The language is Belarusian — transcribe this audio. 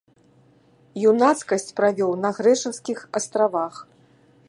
Юнацкасць правёў на грэчаскіх астравах.